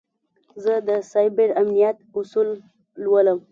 زه د سایبر امنیت اصول لولم.